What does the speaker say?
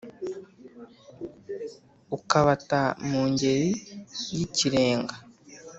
Ukabata mu ngeri yikirenga,